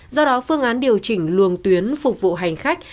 do đó phương án điều chỉnh luồng tuyến phục vụ hành khách